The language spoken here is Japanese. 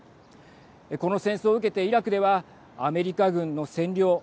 この戦争を受けてイラクではアメリカ軍の占領。